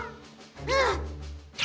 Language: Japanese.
うん！